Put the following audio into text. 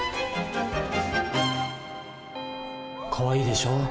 かわいいでしょ？